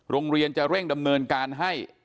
โรงเรียนจะเร่งดำเนินการให้